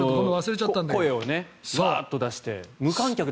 声をワーッと出して。